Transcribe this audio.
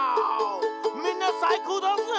「みんなさいこうだぜ！」